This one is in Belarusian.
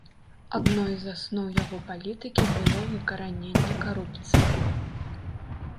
Адной з асноў яго палітыкі было выкараненне карупцыі.